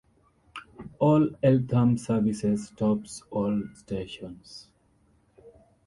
All Eltham services stops all stations.